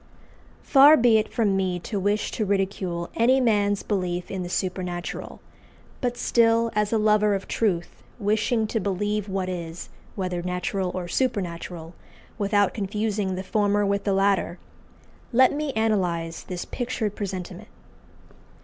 Far be it from me to wish to ridicule any man's belief in the supernatural; but still, as a lover of truth, wishing to believe what is, whether natural or supernatural, without confusing the former with the latter, let me analyse this pictured presentiment.